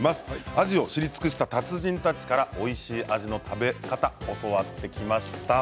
アジを知り尽くした達人たちからおいしいアジの食べ方教わってきました。